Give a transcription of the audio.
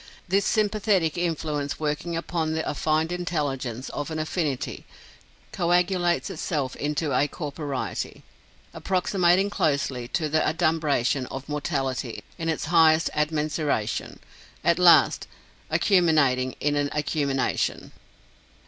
This sympathetic influence working upon the affined intelligence of an affinity, coagulates itself into a corporiety, approximating closely to the adumbration of mortality in its highest admensuration, at last accuminating in an accumination."